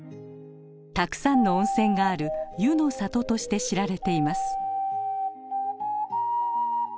たくさんの温泉がある湯の里として知られています。